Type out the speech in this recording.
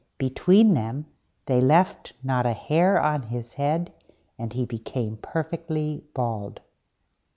Between them, they left not a hair in his head, and he became perfectly bald.